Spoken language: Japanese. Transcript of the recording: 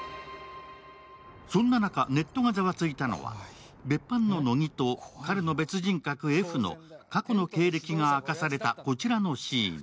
そんな中、ネットがざわついたのは別班の乃木と彼の別人格Ｆの過去の経歴が明かされたこちらのシーン。